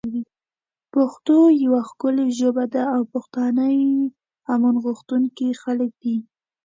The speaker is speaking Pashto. پښتو یوه ښکلی ژبه ده او پښتانه امن غوښتونکی خلک دی